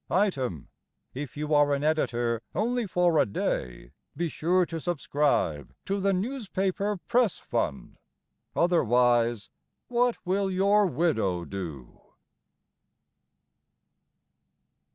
Item, if you are an editor only for a day, Be sure to subscribe to the Newspaper Press Fund; Otherwise, what will your widow do?